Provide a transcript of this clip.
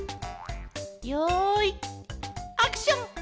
よいアクション！